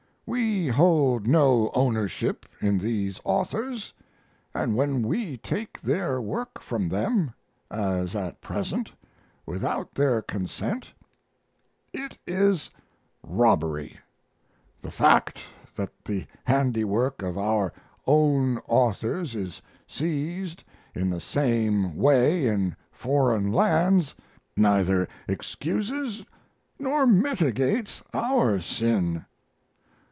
We hold no ownership in these authors, and when we take their work from them, as at present, without their consent, it is robbery. The fact that the handiwork of our own authors is seized in the same way in foreign lands neither excuses nor mitigates our sin.